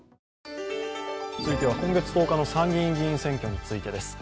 続いては今月１０日の参議院選挙についてです。